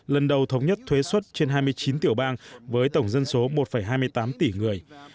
lần đầu thống nhất thuế xuất trên hai mươi chín tiểu bang với tổng dân số một hai mươi tám tỷ người